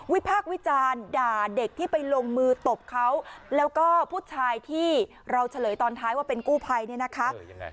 พากษ์วิจารณ์ด่าเด็กที่ไปลงมือตบเขาแล้วก็ผู้ชายที่เราเฉลยตอนท้ายว่าเป็นกู้ภัยเนี่ยนะคะ